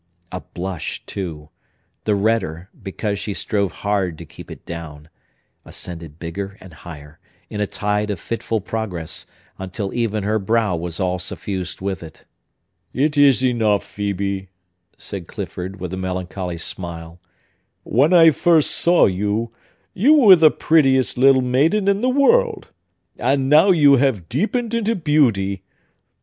A blush, too,—the redder, because she strove hard to keep it down,—ascended bigger and higher, in a tide of fitful progress, until even her brow was all suffused with it. "It is enough, Phœbe," said Clifford, with a melancholy smile. "When I first saw you, you were the prettiest little maiden in the world; and now you have deepened into beauty.